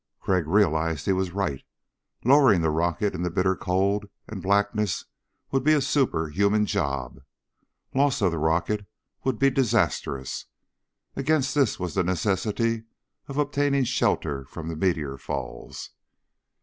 Crag realized he was right. Lowering the rocket in the bitter cold and blackness would be a superhuman job. Loss of the rocket would be disastrous. Against this was the necessity of obtaining shelter from the meteor falls.